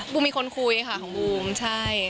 มีคนคุยค่ะของบูมใช่